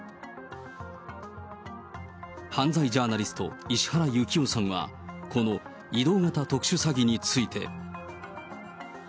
犯罪ジャーナリスト、石原行雄さんはこの移動型特殊詐欺について。